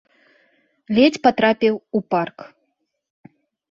Ледзь патрапіў у парк.